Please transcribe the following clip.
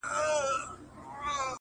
چي کله به کړي بنده کورونا په کرنتین کي٫